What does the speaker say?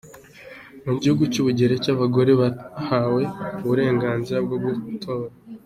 Mu gihugu cy’u Bugereki, abagore bahawe uburenganzira bwo gutora.